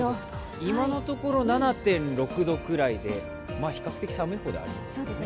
今のところ、７．６度くらいで、比較的、寒い方ですね。